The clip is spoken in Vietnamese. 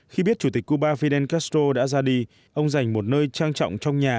khi biết chủ tịch cuba fidel castro đã ra đi ông dành một nơi trang trọng trong nhà